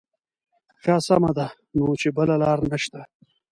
ښه سمه ده نو چې بله لاره نه شته.